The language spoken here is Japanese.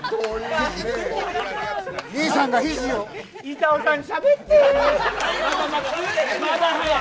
板尾さんしゃべって。